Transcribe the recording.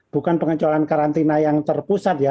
bukan pengecualian karantina yang terpusat ya